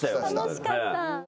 楽しかった。